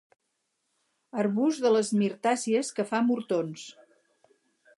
Arbust de les mirtàcies que fa murtons.